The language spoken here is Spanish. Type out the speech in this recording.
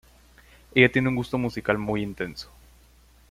Ella tiene un gusto musical muy intenso.